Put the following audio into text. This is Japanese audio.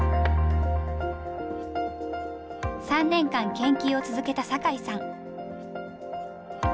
３年間研究を続けた酒井さん。